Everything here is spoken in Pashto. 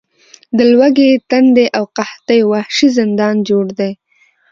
د لوږې، تندې او قحطۍ وحشي زندان جوړ دی.